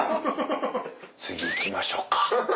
次行きましょか。